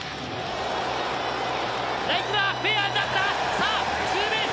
さぁツーベース！